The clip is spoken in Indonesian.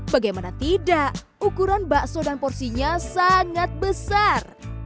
bagaimana tidak ukuran bakso dan porsinya sangat besar